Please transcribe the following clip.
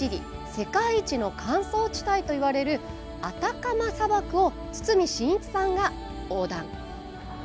世界一の乾燥地帯といわれるアタカマ砂漠を堤真一さんが横断。